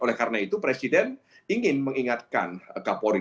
oleh karena itu presiden ingin mengingatkan kapolri